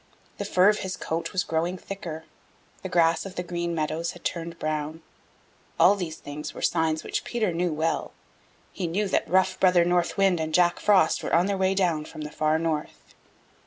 The fur of his coat was growing thicker. The grass of the Green Meadows had turned brown. All these things were signs which Peter knew well. He knew that rough Brother North Wind and Jack Frost were on their way down from the Far North.